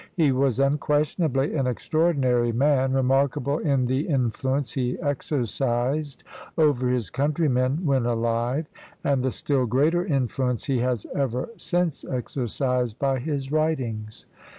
He was unquestionably an extraordinary man, remarkable in the influence he exercised over his coun trymen when alive, and the still greater influence he has ever since exercised by his writings.